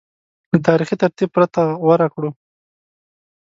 له تاریخي ترتیب پرته غوره کړو